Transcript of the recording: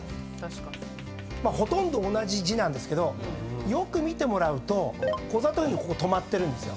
ほとんど同じ字なんですけどよく見てもらうとこざとここ止まってるんですよ。